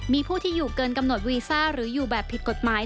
มีผู้ที่อยู่เกินกำหนดวีซ่าหรืออยู่แบบผิดกฎหมาย